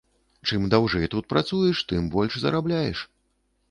Чым даўжэй тут працуеш, тым больш зарабляеш.